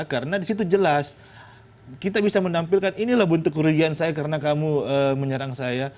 karena di situ jelas kita bisa menampilkan inilah bentuk kerugian saya karena kamu menyerang saya